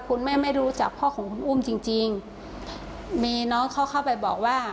คุณแม่ไม่รู้จักพ่อของคุณอุ้มจริงจริงมีน้องเขาเข้าไปบอกว่า